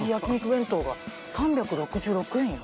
弁当が３６６円よ。